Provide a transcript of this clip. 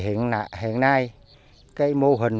hiện nay cái mô hình